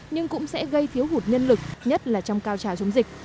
nhưng cũng sẽ gây thiếu hụt nhân lực nhất là trong cao trào chống dịch